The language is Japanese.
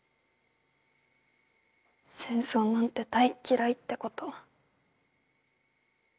戦争なんて大っ嫌いってこと。